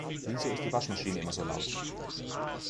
Wieso ist die Waschmaschine immer so laut?